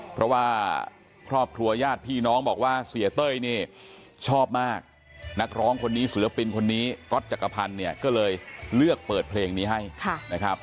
เพราะว่าครอบครัวญาติพี่น้องบอกว่าเสียเต้ยนี่ชอบมากนักร้องคนนี้ศิลปินคนนี้ก๊อตจักรพันธ์เนี่ยก็เลยเลือกเปิดเพลงนี้ให้นะครับ